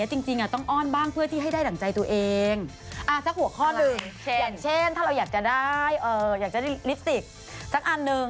อย่างเช่นถ้าอยากจะได้วิสติก